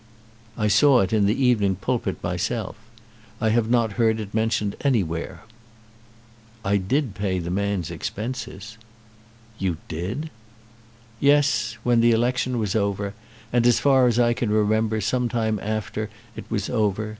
"I saw it in the 'Evening Pulpit' myself. I have not heard it mentioned anywhere." "I did pay the man's expenses." "You did!" "Yes, when the election was over, and, as far as I can remember, some time after it was over.